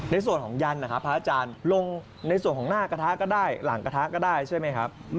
ยันต์นะครับพระอาจารย์ลงในส่วนของหน้ากระทะก็ได้หลังกระทะก็ได้ใช่ไหมครับ